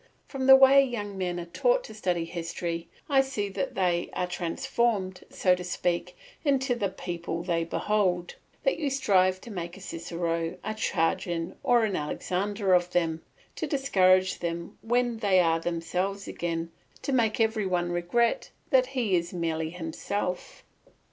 From the way young men are taught to study history I see that they are transformed, so to speak, into the people they behold, that you strive to make a Cicero, a Trajan, or an Alexander of them, to discourage them when they are themselves again, to make every one regret that he is merely himself.